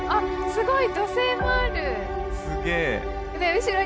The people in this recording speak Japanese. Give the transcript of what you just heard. すごい！